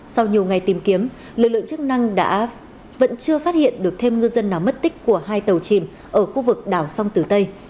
sau nhiều ngày tìm kiếm lực lượng chức năng vẫn chưa phát hiện được thêm ngư dân nào mất tích của hai tàu chìm ở khu vực đảo sông tử tây